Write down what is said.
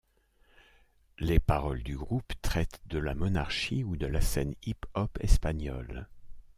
Les paroles du groupe traitent de la monarchie, ou de la scène hip-hop espagnole.